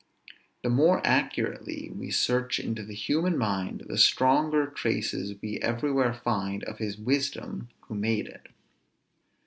The more accurately we search into the human mind, the stronger traces we everywhere find of His wisdom who made it.